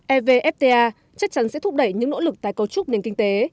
evfta chắc chắn sẽ thúc đẩy những nỗ lực tài cầu trúc nền kinh tế